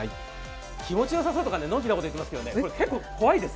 気持ちよさそうとかのん気なこと言うってますけど、これ、結構怖いです。